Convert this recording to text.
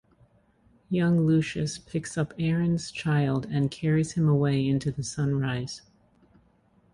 Young Lucius picks up Aaron's child and carries him away into the sunrise.